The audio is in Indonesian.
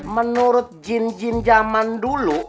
menurut jin jin zaman dulu